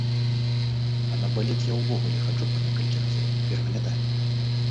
А на балет я ўвогуле хаджу па некалькі разоў, пераглядаю.